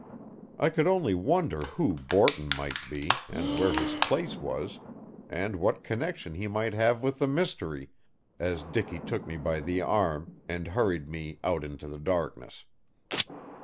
I could only wonder who Borton might be, and where his place was, and what connection he might have with the mystery, as Dicky took me by the arm and hurried me out into the darkness.